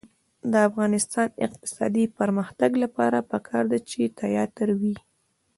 د افغانستان د اقتصادي پرمختګ لپاره پکار ده چې تیاتر وي.